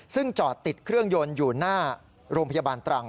ซึ่งจอดติดเครื่องยนต์อยู่หน้าโรงพยาบาลตรัง